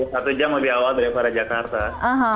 satu jam lebih awal daripada jakarta